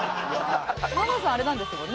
ののさんあれなんですもんね。